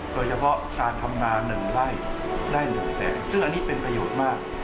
โดยเฉพาะการทำงาน๑ไร่ได้๑แสนซึ่งอันนี้เป็นประโยชน์มาก